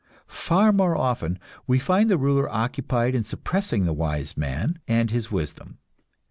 Far more often we find the ruler occupied in suppressing the wise man and his wisdom.